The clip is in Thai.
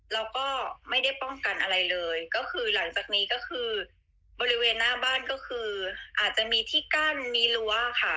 เราก็ไม่ได้ป้องกันอะไรเลยก็คือหลังจากนี้ก็คือบริเวณหน้าบ้านก็คืออาจจะมีที่กั้นมีรั้วค่ะ